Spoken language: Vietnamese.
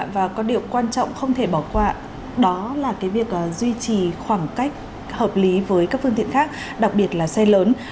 và có điều quan trọng không thể bỏ qua đó là việc duy trì khoảng cách hợp lý với các phương tiện khác đặc biệt là xe lớn